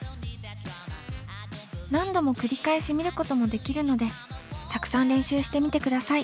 何度も繰り返し見ることもできるのでたくさん練習してみてください。